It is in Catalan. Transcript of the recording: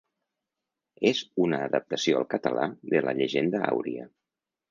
És una adaptació al català de la Llegenda àuria.